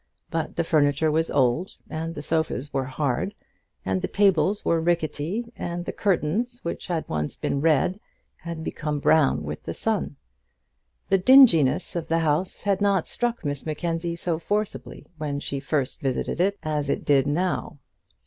But the furniture was old, and the sofas were hard, and the tables were rickety, and the curtains which had once been red had become brown with the sun. The dinginess of the house had not struck Miss Mackenzie so forcibly when she first visited it, as it did now.